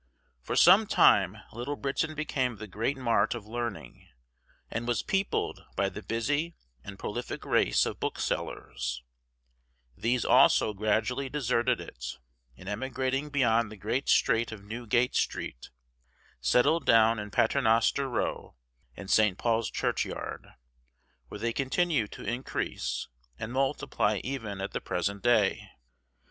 For some time Little Britain became the great mart of learning, and was peopled by the busy and prolific race of booksellers: these also gradually deserted it, and, emigrating beyond the great strait of Newgate Street, settled down in Paternoster Row and St. Paul's Churchyard, where they continue to increase and multiply even at the present day.